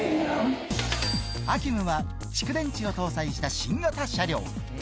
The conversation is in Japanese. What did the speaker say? アキュムは蓄電池を搭載した新型車両。